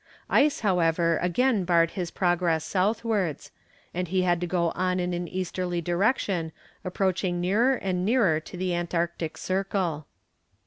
Ice, however, again barred his progress southwards, and he had to go on in an easterly direction approaching nearer and nearer to the Antarctic Circle.